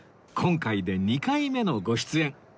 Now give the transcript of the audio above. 今回で２回目のご出演